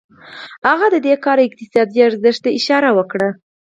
هغه د دې کار اقتصادي ارزښت ته اشاره وکړه